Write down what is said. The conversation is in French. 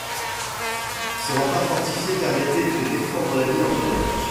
Ce rempart fortifié permettait de défendre la ville en cas d'attaque.